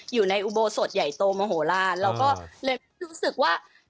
อยู่ในอุโบสถใหญ่โตมโหลานเราก็เลยรู้สึกว่า